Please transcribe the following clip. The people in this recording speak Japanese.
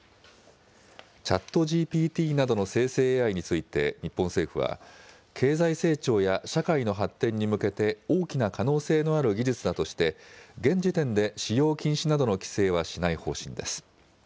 チャットＧＰＴなどの生成ＡＩについて日本政府は、経済成長や社会の発展に向けて、大きな可能性のある技術だとして、現時点で使用禁止などの規制はしない方針です。